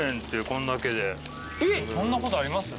こんなことあります？